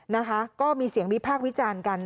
นะคะก็มีเสียงวิพากษ์วิจารณ์กัน